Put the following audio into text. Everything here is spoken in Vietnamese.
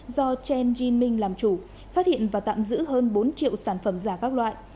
do chan jin ming làm chủ phát hiện và tạm giữ hơn bốn triệu sản phẩm giả các loại